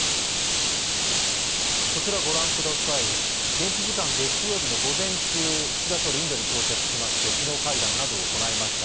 現地時間月曜日の午前中、岸田総理、インドに到着しまして首脳会談などを行いました。